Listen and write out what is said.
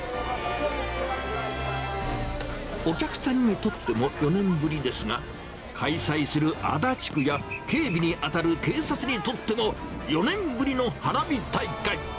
お客さんにとっても４年ぶりですが、開催する足立区や警備に当たる警察にとっても、４年ぶりの花火大会。